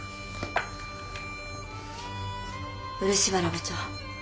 漆原部長。